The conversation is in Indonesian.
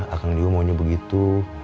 akang juga maunya begitu